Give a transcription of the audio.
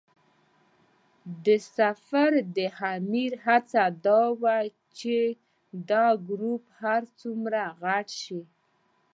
د سفر د امیر هڅه دا وه چې دا ګروپ هر څومره غټ شي.